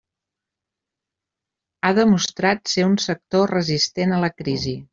Ha demostrat ser un sector resistent a la crisi.